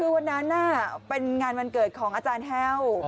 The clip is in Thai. คือวันนั้นเป็นงานวันเกิดของอาจารย์แห้ว